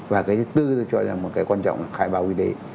và cái thứ tư tôi cho rằng là một cái quan trọng là khải báo quy tế